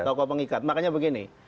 pokok pengikat makanya begini